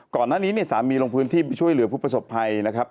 ก่อนหน้านี้เนี่ยสามีลงพื้นที่ไปช่วยเหลือผู้ประสบภัยนะครับ